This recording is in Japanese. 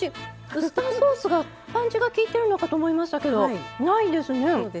ウスターソースがパンチがきいてるのかと思いましたけどないですね。